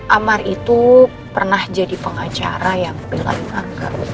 amar itu pernah jadi pengacara yang bilang anggap